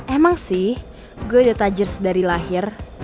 emang sih gue udah tajir sedari lahir